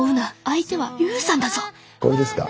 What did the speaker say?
これですか？